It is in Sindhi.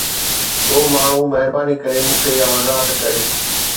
ڪو ماڻهو مهرباني ڪري مون کي اها وضاحت ڪري.